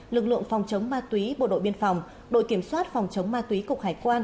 lực lượng phòng chống ma túy bộ đội biên phòng đội kiểm soát phòng chống ma túy cục hải quan